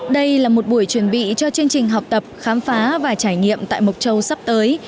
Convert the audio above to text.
đây là một buổi chuẩn bị cho chương trình học tập khám phá và trải nghiệm tại mộc châu sắp tới